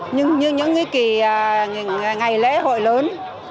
nhưng những ngày lễ hội lớn